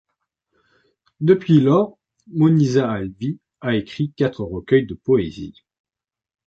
Depuis lors, Moniza Alvi a écrit quatre recueils de poésie.